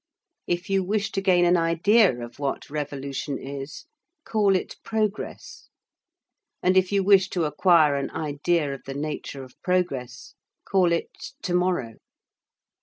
If you wish to gain an idea of what revolution is, call it Progress; and if you wish to acquire an idea of the nature of progress, call it To morrow.